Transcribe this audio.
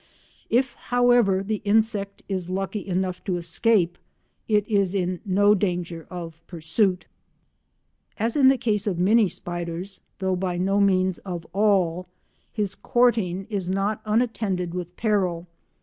If, however, the insect is lucky enough to escape, it is in no danger of pursuit. As in the case of many spiders—though by no means of all—his courting is not unattended with peril.